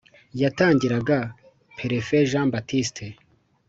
yatangiraga Perefe Jean Baptiste.